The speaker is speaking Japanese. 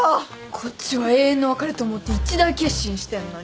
こっちは永遠の別れと思って一大決心してんのに。